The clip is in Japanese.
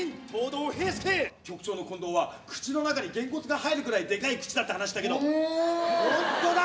局長の近藤は口の中にげんこつが入るくらいでかい口だって話だけど本当だ。